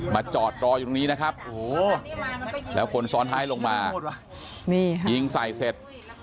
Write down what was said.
มาจอดรออยู่ตรงนี้นะครับแล้วคนซ้อนท้ายลงมายิงใส่เสร็จ